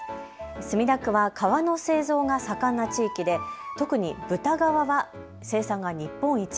墨田区は革の製造が盛んな地域で特に豚革は生産が日本一。